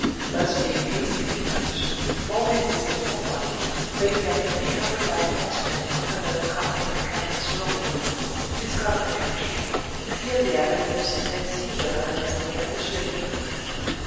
Thus being hastily furnished, before they would set forward, they sent three hundred light horsemen, under the conduct of Captain Swillwind, to discover the country, clear the avenues, and see whether there was any ambush laid for them.